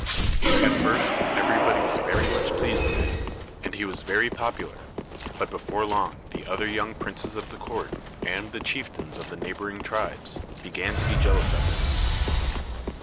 At first every body was very much pleased with him, and he was very popular; but before long the other young princes of the court, and the chieftains of the neighboring tribes, began to be jealous of him.